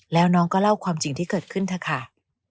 แล้วน้องก็เล่าความจริงที่เกิดขึ้นเถอะค่ะ